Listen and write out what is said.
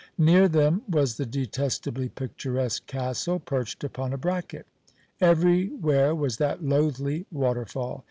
Near them was the detestably picturesque castle perched upon a bracket. Everywhere was that loathly waterfall.